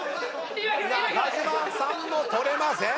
中島さんも取れません！